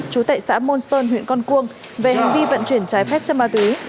chú tệ xã môn sơn huyện con cuông về hành vi vận chuyển trái phép chân ma túy